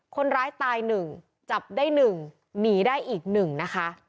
คนร้ายตายหนึ่งจับได้หนึ่งหนีได้อีกหนึ่งนะคะ